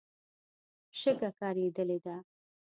شګه کارېدلې ده.